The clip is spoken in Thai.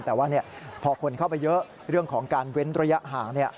แต่ว่าพอคนเข้าไปเยอะเรื่องของการเว้นระยะห่าง